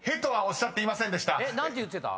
何て言ってた？